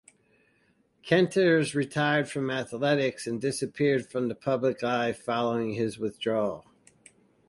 Kenteris retired from athletics and disappeared from the public eye following his withdrawal.